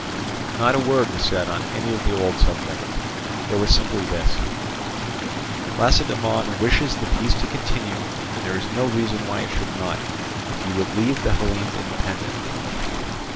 Not a word was said on any of the old subjects; there was simply this: "Lacedaemon wishes the peace to continue, and there is no reason why it should not, if you would leave the Hellenes independent."